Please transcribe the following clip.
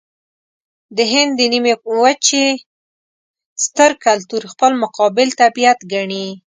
د هند د نيمې وچې ستر کلتور خپل مقابل طبیعت ګڼي.